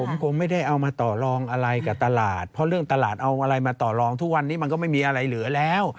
ผมคงไม่ได้เอามาต่อลองอะไรกับตลาดเพราะเรื่องตลาดเอาอะไรมาต่อลองทุกวันนี้มันก็ไม่มีอะไรเหลือแล้ว